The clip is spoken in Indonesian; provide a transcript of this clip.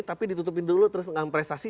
tapi ditutupin dulu terus dengan prestasi